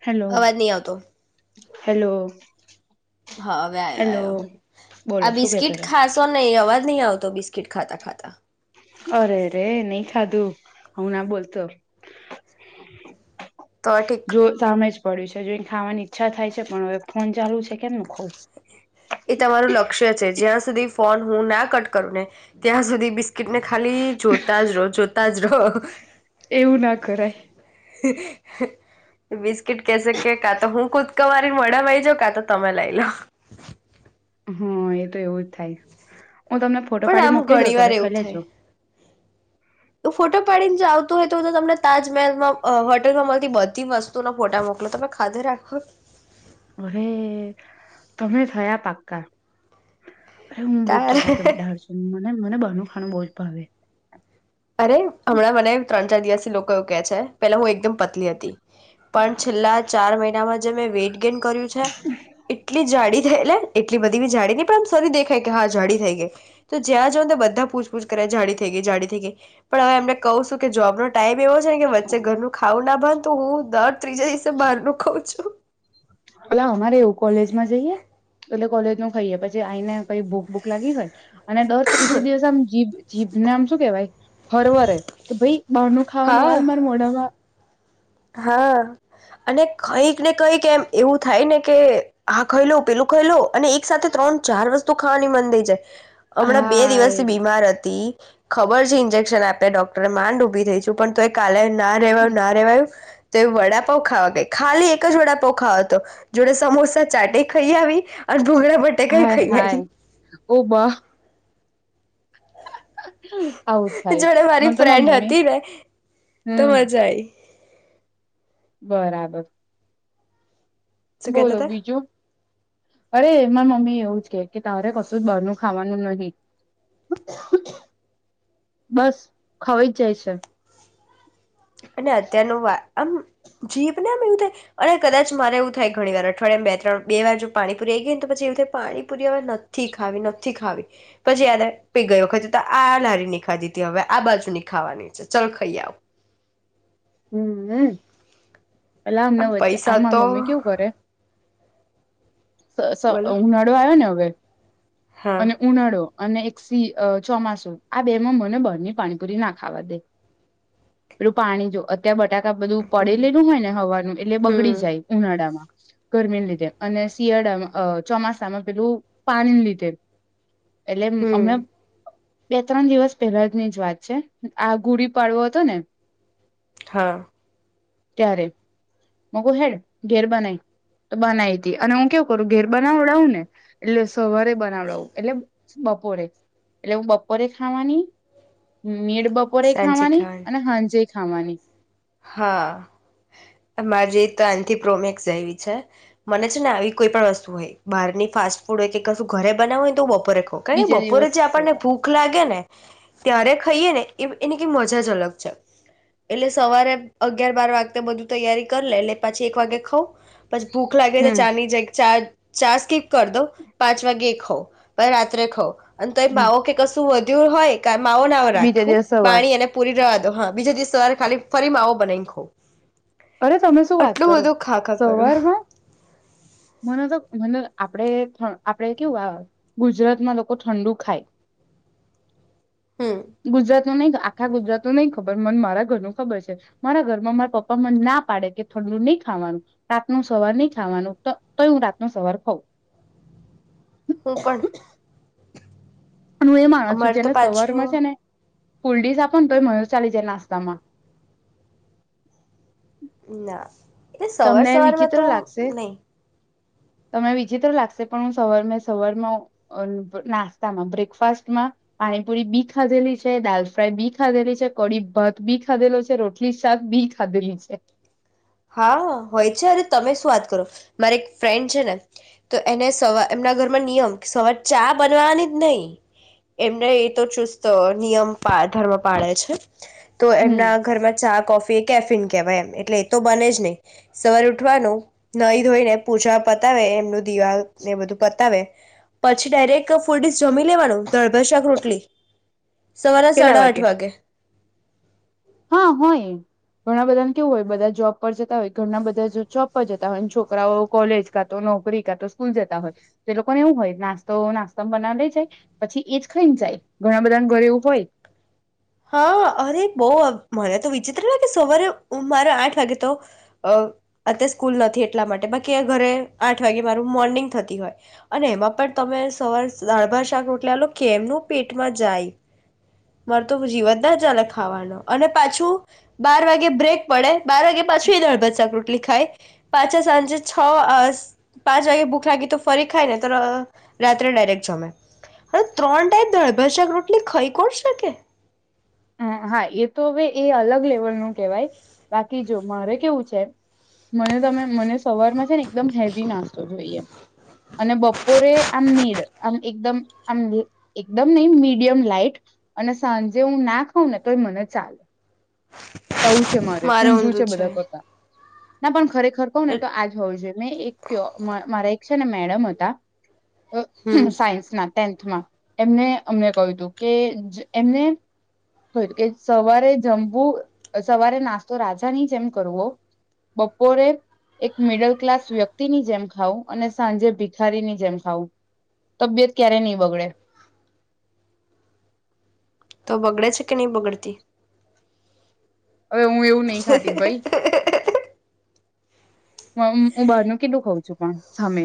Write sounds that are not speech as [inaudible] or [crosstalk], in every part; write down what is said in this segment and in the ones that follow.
Hello અવાજ નહીં આવતો. હેલો. હા હવે આવ્યો હેલો આવ્યો, બોલો આ શું કેતા બિસ્કીિટ હતા ખાસો નહી અવાજ નહીં તો બિસ્કીટ ખાતા ખાતા અરે રે નહી ખાધું હું ના બોલતો તો ઠીક જો સામે પડ્યું છે, જોઈ ખાવાની ઈચ્છા થાય છે, પણ હવે ફોન ચાલુ છે, કેમ ખ એ તમારું લક્ષ્ય છે, જ્યાં સુધી ફોન હું ના કટ કરું ને ત્યાં સુધી બિસ્કીિટ ને ખાલી જોતા જ રહો જોતા જ રહો. એવું ના કરાય [inaudible] કેશે કે કાતા હું કવારી મળેમાંઈ જાો કા તો તમે લઈ લો હા, એ તો એવું જ થાય હું તમને ફોટો પણ પાડી આમ મોકલી ઘણી દઉં વાર તમે એવું ખાઈ થાય લેજો તો ફોટો પાડીને આવતું હોય તો તો તમને તાજમહેલમાં હોટલમાં મળતી બધી વસ્તુના ફોટા મોકલો તમે ખાધે રાખો અરે તમે થયા પાક્કા અરે, હું બહુ તારે ચટાકેદાર છું મને બહારનું ખાવાનું બહુ જ ભાવે અરે! હમણાં મને ત્રણ-ચાર દિવસ થી લોકો કહે છે, પહેલાં હું એકદમ પતલી હતી પણ, છેલ્લા ચાર મહિનામાં જે મેં વેઇટ ગેન કર્યું છે, એટલી જાડી થઈ એટલે [inaudible] એટલી બધી જાડી નહી, પણ આમ સારી દેખાય કે હા, જાડી થઈ ગઈ તો જ્યાં જાઓ ને બધા પૂછપૂછ કરે જાડી થઈ ગઈ જાડી થઈ ગઈ પણ, હવે એમને કહું છું કે જોબ નો ટાઈમ એવો છે કે વચ્ચે ઘરનું ખાવું ન ભાવેને તો હું દર ત્રીજા દિવસે બહાર ન ખાઉં છું કોલેજ માં જાઇએ એટલે કોલેજ નું ખાઈએ પછી, આઈને કંઈ ભુખ-બુખ લાગી હોય અને દર ત્રીજે દિવસ આમ જીભ જીભને આમ શું કેવાય, હરવરે કે ભાઈ બારનું ખાવાનું હા હાલ મારા મોઢામાં હા, અને કંઈક ને કંઈક એમ એવું થાય ને કે, આ ખાઈ લવ પેલું ખાઈ લવ અને એક સાથે ત્રણ-ચાર વસ્તુ ખાવાની મન થઈ જાય હમણાં બે દિવસ હાય થી બીમાર હતી ખબર છે ઇન્જેક્શન આપે ડોક્ટરે, માંડ ઉભી થઈ છું, પણ તોય કાલે ના રહેવાયું, ના રહેવાયું તો, એ વડાપાઉં ખાવા ગઇ, ખાલી એક જ વડાપાઉં ખાવો તો, જોડે સમોસાચાટે ખાઇ આવી અને ભૂંગળા બટેકાઈ હાય, ખાઈ હાય, આવી ઓ બા આવું થાય જોડે મારી મને તો મારા ફ્રેન્ડ મમ્મી હતી ને તો, હમ મજા આઈ બરાબર શું બોલો કેતા હતા બીજું? અરે! મારા મમ્મી એવું જ કે કે તારે કશું જ બહારનું ખાવાનું નહીં બસ, ખવાઈ જ જાય છે. અને અત્યારનું વા.. આમ જીભને આમ એવું થાય અને કદાચ મારે એવું થાય ઘણી વાર અઠવાડિયામાં બે-ત્રણ, બે વાર જો પાણીપુરી આ આવી ગઈ ને તો પછી એવું થાય પાણીપુરી હવે નથી ખાવી નથી ખાવી પછી યાદ આવે એ ગય વખતેતો આ લારી ખાધી હતી. હવે આ બાજુ ખાવાની છે, ચાલ ખાઈ આવું. હ મ અ અલા આમને આમ વચ્ચે પૈસા મારી તો મમ્મી કેવું કરે સ સ બોલો ઉનાળો આવે ને હવે હા અને ઉનાળો અને એક સી ચોમાસું આ બે માં મને બહારની પાણીપુરી ના ખાવા દેય પેલું પાણી જો ત્યાં બટા બધું હમ પડી રહેલુ હોય ને સવારનું એટલે બગડી હમ જાય ઉનાળામાં ગરમીને લીધે અને શિયાળામાં અ ચોમાસામાં પેલું પાણીને લીધે એટલે અમ હમ અમે બે ત્રણ દિવસ પહેલાની જ વાત છે આ ગુડી પાડવો હતો ને હા ત્યારે મેં કુ હેડ ઘેર બનાવી તો બનાય તી‌ અને હું કેવું કરું ઘેર બનાવડાવું ને એટલે હવારે બનાવડાવું એટલે બપોરે એટલે હું બપોરે ખાવાની હમ નીડ બપોરે ખાવાની અને હાજે ખાવાની હા તમારે ત્યાંથી પ્રોમેક્સ આયવી છે મને છે ને આવી કોઈ પણ વસ્તુ હોય બહારની ફાસ્ટ ફૂડ હોય કે કશું ઘરે બનાવુ હોય તો બ બપોરે ખવ કારણ કે બીજા બપોરે દિવસ જે આપણને સવાર ભૂખ લાગે ને ત્યારે ખાઈએ ને એ એની મજા જ અલગ છે એટલે સવારે અગિયાર બાર વાગતા બધું તૈયારી કરી લે એટલે પાછી એક વાગ્યે ખઉં પછી ભૂખ લાગે તો હમ ચા ની જ ચા ચાર સ્કિપ કરી દવ પાંચ વાગે ખવ પણ રાત્રે ખવ અને કઈ હમ માવો કે કશું વ દૂર હોય ત્યારે માવો ન બીજા રાખું દિવસ સવાર પાણી અને પૂરી રવા હા બીજા દિવસ સવારે ખાલી ફરી માવો બનાવી ખાઉં અરે તમે શું વાત કરો કરું સવારમાં મને તો મને આપડે પણ આપડે કેવું આ ગુજરાતમાં લોકો ઠંડુ ખાય હમ ગુજરાત [unintelligible] આખા ગુજરાત નું નહી ખબર મન મારા ઘર ન ખબર છે મારા ઘરમાં મારા પપ્પા મન ના પાડે કે ઠંડુ નઈ ખાવાનું રાતનું સવાર નઈ ખાવાનું તોય હું રાતનો સવાર ખઉં હું પણ હું એ માણસ છું અમારે તો જેને પાછો સવારમાં છે ને ફુલ ડિસ આપો ને તોય મને તો ચાલી જાય નાસ્તામાં. ના. એટલે તમને સવાર-સવારમાં તું નહી. તમે વિચિત્ર લાગશે પણ હું સવાર મે સવારમાં હું નાસ્તામાં બ્રેકફાસ્ટમાં પાણીપુરી બી ખાધેલી છે. દાલ ફ્રાય બી ખાધેલી છે. કડી ભાત બી ખાધેલો છે. રોટલી શાક બી ખાધેલી છે. હા હોય છે. અરે તમે શું વાત કરો મારે એક ફ્રેન્ડ છે ને તો એને સવાર એમના ઘર માં નિયમ સવાર ચા બનવાની જ નહી એમને એતો ચુસ્ત નિયમ પા ધર્મ પાડે છે. તો હમ એમના ઘરમાં ચા, કોફી કેફિન કેવાય એમ એટલે તો બને જ નહી. સવાર ઉઠવાનું નાઈ ધોઈને પૂજા પતાવે એમનું દિવા ને બધું પતાવે. પછી ડાયરેક્ટ ફૂડ જમી લેવાનું દાળ, ભાત, શાક રોટલી સવારા સાડા આઠ વાગે. હા હોય ઘણા બધાને કેવું હોય બધા જોબ પર જતા હોય ઘરના બધા જોબ પર જતા હોય છોકરાઓ કોલેજ કા તો નોકરી કાતો સ્કૂલ જતા હોય તો લોકોને એવું હોય નાસ્તો નાસ્તા બનાવ લઈ જાય પછી એજ ખઈને જાય. ઘણા બધાને ઘરે એવું હોય. હા અરે બોહ મને તો વિચિત્ર લાગે સવારે મારે આઠ વાગે તો અ અત્યારે સ્કૂલ નથી એટલા માટે બાકી ઘરે આઠ વાગે મારું મોર્નિંગ થતી હોય અને એમાં પણ તમે સવારે દાળભારત શાક રોટલા લો કેમનું પેટમાં જાય. મારે તો જીવત ના ચલે ખાવાનો અને પાછું બાર વાગે બ્રેક પડે બાર વાગે પાછું એ દાળભાત, શાક, રોટલી ખાય. પાછા સાંજે છ અ પાંચ વાગે ભૂખ લાગી તો ફરી ખાય ને તો ર રાત્રે ડાયરેક્ટ જમે હ ત્રણ ટાઈમ દાળ ભાત શાક રોટલી ખઈ કોણ શકે. તકે. હ હા એ તો હવે એ અલગ લેવલ નું કેહેવાય બાકી જો મારે કેવું છે મને તમે મને સવારમાં છે ને એકદમ હેવી નાસ્તો જોઈએ અને બપોર રે આમ મીળ આમ એકદમ આમ એકદમ ન મીડિયમ લાાઈટ અને સાંજે હું નાક ખું ને તોય મને ચાલે આવું છે મારે ઊંધું છે બધા પોતા ના પણ ખરેખર ર કહ ને તો હમ આજ હોવું જોઈએ મે એક ક મારા શક્ષના મેડમ મો હતા સાયન્સમાં ટેન્થમાં એમને અમને કહ્યું હતું કે એમને ક્યું કે સવારે જમવું સવારે નાસ્તો રાજાની જેમ કરવો બપોરે એક મિડલ ક્લાસ વ્યક્તિની જેમ ખાવું અને સાંજે ભિખારીની જેમ ખાવું તબિયત ક્યારે નહી બગડે તો બગડે છે કે નહી બગડતી હવે હું એવું નહી ખાતી ભાઈ હ હું બહાર ન કેટલું કઉ છું પણ સામે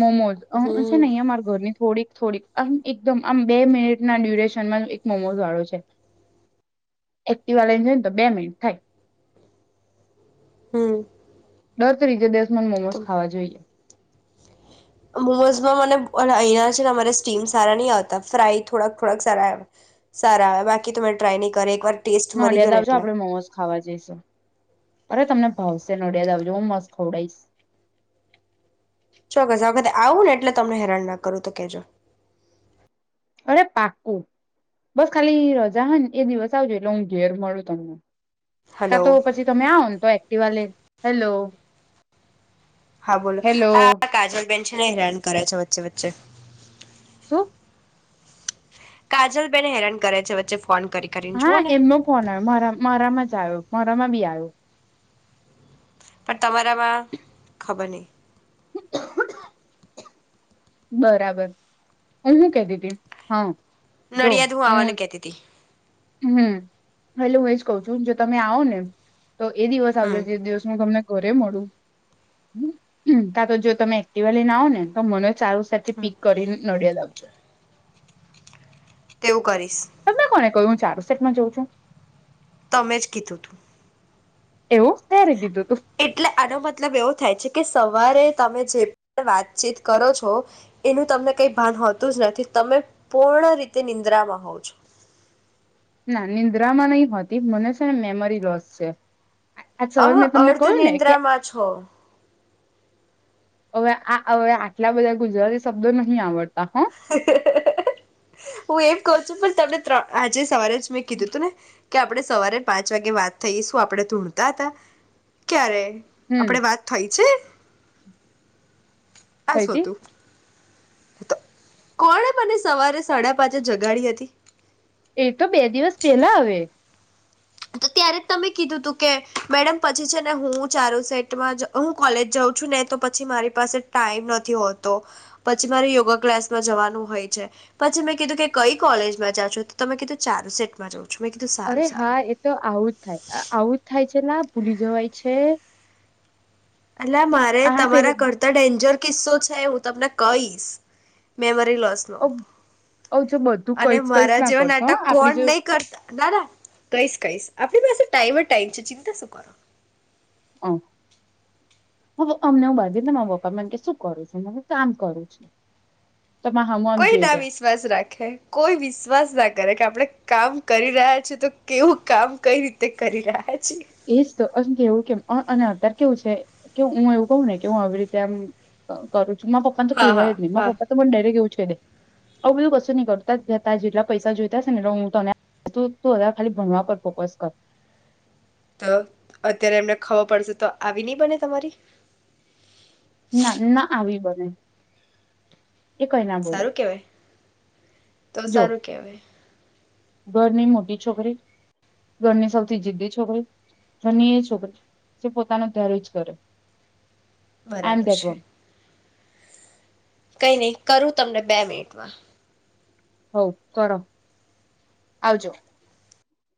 મોમોઝ છે હમ નહીં અમારા ઘરની થોડીક થોડીક આમ એકદમ આમ બે મિનિટના ડ્યુરેશનમાં એક મોમોઝ વાળો છે એક્ટવા વાળને છેને તો બે મિનિટ થાય હમ નોતરી છે દ મોમોસ તો ખાવા જોઈએ મોમોઝમાં મને અહીંના છે ને અમારે સ્ટીમ સારા નહી આવતા ફ્રાય થોડાક થોડાક સારા આવે સારા આવે બાકી તો મેમે ટ્રાય નહી કરો એક વાર ટેસ્ટ ન મરી અડિયાદ ગયો ને આવજો એટલે આપડે મોમોસ ખાવા જઈશ અરે તમને ભાવશે નોડિયાદ આવજ હું મસ્ત ખવડઈશ. ચોક્કસ આ વખતે આવું ને એટલે તમને હેરાન ના કરું તો કેજો. અરે પાક્કું બસ ખાલી રજા હ ને એ દિવસ આવજો એટલે હું ઘેર મળું તમને. કા હલો તો પછી તમે આવ ને તો એક્ટિવા લે હેલો! હા બોલો. હેલો આ કજલ બેન છે ને હેરાન કરે છે વચ્ચે વચ્ચે. શું કાજલ બેેન હેરાન કરે છે વચ્ચે ફોન કરી કરીને હા, જુઓ ને એમનો ફોન આવ્યો મારા મારામાં જ આવ્યો. મારામાં બી આવ્યો. પણ તમારામાં ખબર નહી. બરાબર. હ હું ક દી હતી. હા નડિયાદ હું આવાને કેતી હતી. હમ એટલે હું એજ કહ છું જો તમે આવો ને તો એ દિવસ આવજો હમ જે દિવસનું તમને ઘરે મળ કા તો જો તમે એક્ટવાલી ના આવ ને તો ચારું સાથે હમ પીક કરીને નડિયાદ આવજો. તેવું કરીશ કું ચારું સેટમાં જઉં છું. તમે જ કીધું તું. એવું ત્યારે કીધુ. એટલે આનો મતલબ એવો થાય છે કે સવારે તમે જે પણ વાતચીત કરો છો, એનું તમને કઈ ભાન હોતું જ નથી તમે પૂર્ણ રીતે નિંદ્રામાં હોવ છો. ના નિંદ્રામાં નહી હોતી. મને છે ને મેમરી લોસ છે. આજ અ સવાર મેં તમને અર્ધ કહ્યું ને કે નિદ્રામાં છો. હવે આ હવે આટલા બધા ગુજરાતી શબ્દો નહીં આવડતા. હ હું એમ કહ છું પણ તમને્ર આજે સવારે મેં કીધું તું ને કે આપણે સવારે પાંચ વાગે વાત થઈએ શું આપણે ધૂળતા હતા ક્યારે હમ આપડે વાત થઈ છે. આ શું થઈથી હતું. કોણે મને સવારે સાડા પાંચે જગાડી હતી? એ તો બે દિવસ પેલા હવે. તો ત્યારે જ તમે કીધું તું કે મેડમ પછી છે ને હું ચારુ સેટમાં હું કોલેજ જાઉં છું ને તો પછી મારી પાસે ટાઈમ નથી હોતો પછી મારે યોગા ક્લાસમાં જવાનું હોય છે પછી મેં કીધું કે કઈ કોલેજમાં જા છું તો તમે કીધું ચારુ સેટમાં જઉં છું. છું મેં કીધું સારું અરે સારું. હા એ તો આવું જ થાય આવું જ થાય છે. અલા ભૂલી જવાય છે. અલા મારે આ પે તમારા કરતા ડેન્જર કિસ્સો છે હું તમને કહીશ. મેરી મેમરી લોસ નો જો બધું અને કઈશ મારા કઈશ ના જેવા કરશો નાટક આપડી કોણ જો નહી કરતા દાદા કહીશ કહીશ આપણી પાસે ટાઈમ ટાઈમ ચિંતા શું કરો. ઓ હ અમને હું બાંધી પપ્પા મને કે શું કરું છું? કામ કરું છું. તો મારા હામું આમ કોઈ જોઈ ના ગયા વિશ્વાસ રાખે કોઈ વિશ્વાસ રાખે ઘરે કે આપડે કામ કરી રહ્યા છીએ તો કેવું કામ કઈ રીતે કરી રહ્યા છે. એજ તો અ કેવું કેમ અને કેવું છે કે હું એવું કહું ને કે હું આવી રીતે આમ કરું છ મારે પાપા તો હા કેવા હા જ નહિ મા હા પપા પણ ડાયરે એવુ જ આવું બધું કશું નહી કરું ત જેટલા પૈસા જોઈતા હ ને એટ હું તને ખાલી ભણવા પર ફોકસ કર તો અત્યારે એમને ખબર પડશે તો આવી નહી બને તમારી ના ના આવી બને એ કઈ ના બોલે સારું કેવાય તો જો સારું કેવાય ઘરની મોટી છોકરી ઘરની સૌથી જિદી છોકરી ધર એ છોકરી જે પોતાનો ધ્યાર જ કરે આઈ એમ બરાબર ધેટ છે. વન કઈ નહી કરું તમને બે મિનિટમાં હવ કર આવજો